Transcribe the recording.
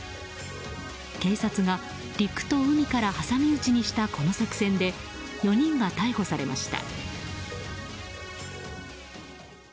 警察が陸と海から挟み撃ちにしたこの作戦で４人が逮捕されました。